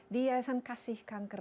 dia san kasih kanker